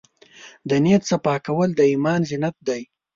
د نیت صفا کول د ایمان زینت دی.